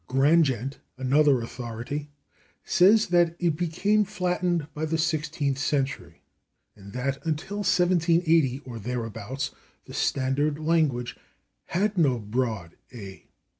Grandgent, another authority, says that it became flattened "by the sixteenth century" and that "until 1780 or thereabouts the standard language had no broad /a